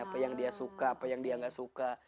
apa yang dia suka apa yang dia nggak suka